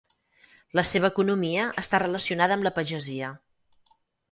La seva economia està relacionada amb la pagesia.